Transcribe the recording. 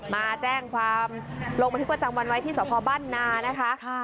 มาแจ้งความลงบันทึกประจำวันไว้ที่สพบ้านนานะคะ